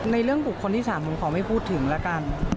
ในเรื่องบุคคลที่๓ผมขอไม่พูดถึงแล้วกัน